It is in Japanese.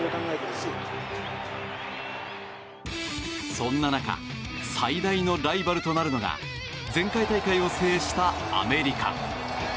そんな中最大のライバルとなるのが前回大会を制したアメリカ。